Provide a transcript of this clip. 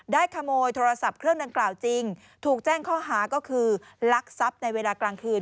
ขโมยโทรศัพท์เครื่องดังกล่าวจริงถูกแจ้งข้อหาก็คือลักทรัพย์ในเวลากลางคืน